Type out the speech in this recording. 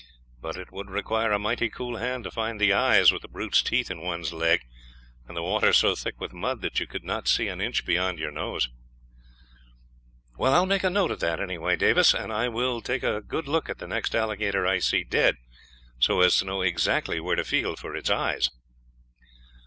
But it would require a mighty cool hand to find the eyes, with the brute's teeth in one's leg, and the water so thick with mud that you could not see an inch beyond your nose." "Well, I will make a note of that, anyhow, Davis, and I will take a good look at the next alligator I see dead, so as to know exactly where to feel for its eyes."